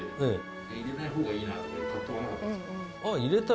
ええ？